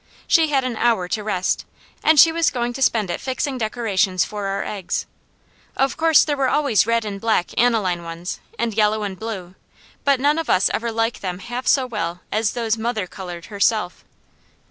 She had an hour to rest, and she was going to spend it fixing decorations for our eggs. Of course there were always red and black aniline ones, and yellow and blue, but none of us ever like them half so well as those mother coloured, herself.